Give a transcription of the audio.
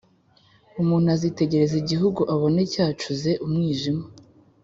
Umuntu azitegereza igihugu abone cyacuze umwijima